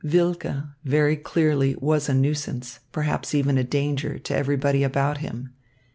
Wilke, very clearly, was a nuisance, perhaps even a danger, to everybody about him.